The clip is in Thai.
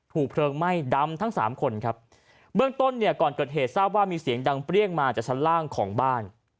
เพลิงไหม้ดำทั้งสามคนครับเบื้องต้นเนี่ยก่อนเกิดเหตุทราบว่ามีเสียงดังเปรี้ยงมาจากชั้นล่างของบ้าน